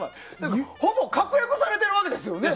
ほぼ確約されてるわけですよね。